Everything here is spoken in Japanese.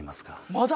まだ？